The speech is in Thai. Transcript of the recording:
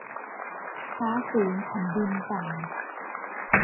ฟ้าสูงแผ่นดินต่ำ